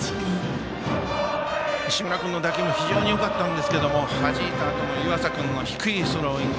西村君の打球も非常によかったんですけどはじいたあとの湯浅君の低いスローイング。